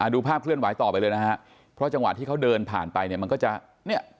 ดูภาพเคลื่อนไหวต่อไปเลยนะฮะเพราะจังหวะที่เขาเดินผ่านไปเนี่ยมันก็จะเนี่ย